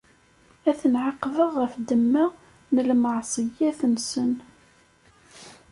Ad ten-ɛaqbeɣ ɣef ddemma n lmeɛṣeyyat-nsen.